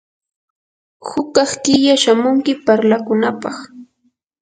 hukaq killa shamunki parlakunapaq.